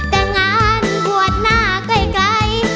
แต่งานบวชหน้าใกล้